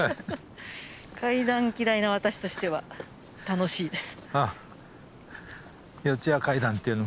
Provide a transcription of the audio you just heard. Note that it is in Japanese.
階段嫌いな私としては楽しいです。